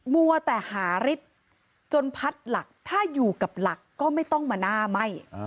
มัวแต่หาฤทธิ์จนพัดหลักถ้าอยู่กับหลักก็ไม่ต้องมาหน้าไหม้